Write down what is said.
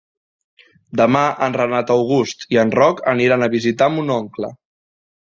Demà en Renat August i en Roc aniran a visitar mon oncle.